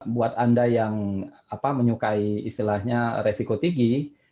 buat anda yang menyukai istilahnya resiko tinggi